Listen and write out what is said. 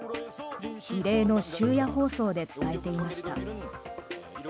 異例の終夜放送で伝えていました。